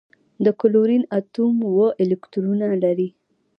د کلورین اتوم اوه الکترونونه لري.